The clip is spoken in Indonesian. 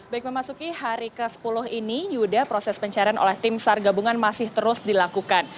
baik memasuki hari ke sepuluh ini yuda proses pencarian oleh tim sar gabungan masih terus dilakukan